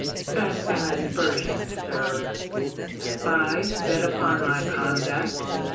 That's an aspersion, Sir! Spies set upon my conduct!